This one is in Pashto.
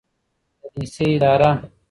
د لیسې اداره